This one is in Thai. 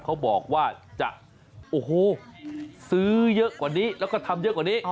เขาบอกว่าจะโอ้โหซื้อเยอะกว่านี้แล้วก็ทำเยอะกว่านี้